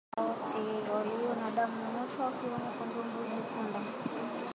Wanyama wote walio na damu moto wakiwemo kondoo mbuzi punda